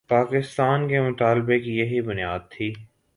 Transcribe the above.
پاکستان کے مطالبے کی یہی بنیاد تھی۔